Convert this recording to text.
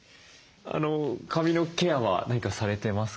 髪のケアは何かされてますか？